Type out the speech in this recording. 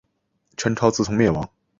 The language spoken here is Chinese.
陈朝自从灭亡。